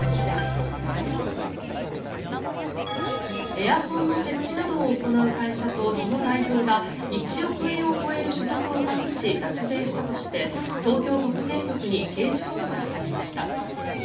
エアコンの設置などを行う会社とその代表が１億円を超える所得を隠し脱税したとして東京国税局に刑事告発されました。